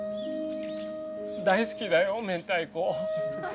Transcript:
大好きだよ明太子。